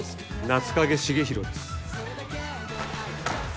夏影重弘です。